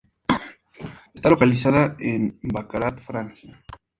Está localizada en Baccarat, Francia.